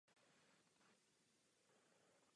Tato tvrzení však vedení pražské záchranné služby odmítlo.